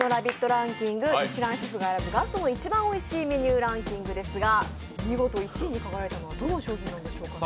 ランキング、ミシュランシェフが選ぶガストの一番おいしいメニューですが、見事１位に輝いたのはどの商品なんでしょうね？